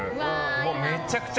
もう、めちゃくちゃ。